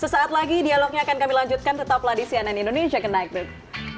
sesaat lagi dialognya akan kami lanjutkan tetaplah di cnn indonesia connected